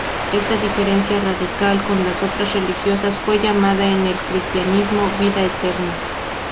Esta diferencia radical con las otras religiosas fue llamada en el cristianismo, vida eterna.